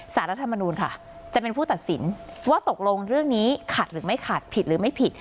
รัฐมนูลค่ะจะเป็นผู้ตัดสินว่าตกลงเรื่องนี้ขัดหรือไม่ขัดผิดหรือไม่ผิด